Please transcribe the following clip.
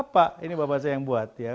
pak ini bapak saya yang buat ya